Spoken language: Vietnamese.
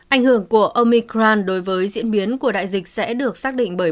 ảnh hưởng của omicran đối với diễn biến của đại dịch sẽ được xác định bởi